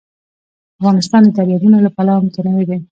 افغانستان د دریابونه له پلوه متنوع دی.